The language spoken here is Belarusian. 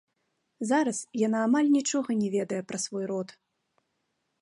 Зараз яна амаль нічога не ведае пра свой род.